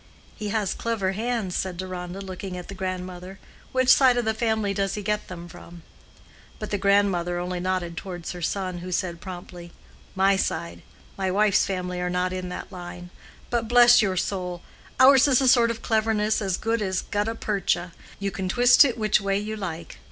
"He has clever hands," said Deronda, looking at the grandmother. "Which side of the family does he get them from?" But the grandmother only nodded towards her son, who said promptly, "My side. My wife's family are not in that line. But bless your soul! ours is a sort of cleverness as good as gutta percha; you can twist it which way you like.